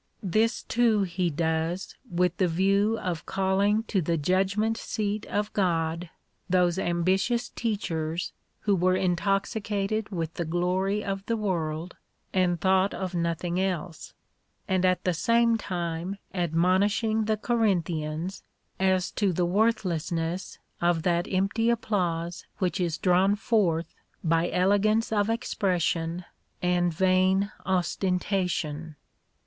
This, too, he does with the view of calling to the judgment seat of God those ambitious teachers, who were intoxicated with the glory of the world, and thought of no thing else ; and at the same time admonishing the Corin thians, as to the worthlessness of that empty applause which is drawn forth by elegance of expression and vain osten tation.